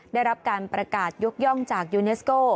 ได้รับการประกาศยกย่องจากยูเนสโก้